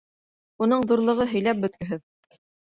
Уның ҙурлығы һөйләп бөткөһөҙ.